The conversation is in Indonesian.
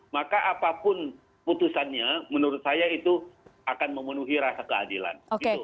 maka apapun putusannya menurut saya itu akan memenuhi rasa keadilan